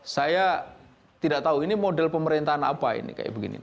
saya tidak tahu ini model pemerintahan apa ini kayak begini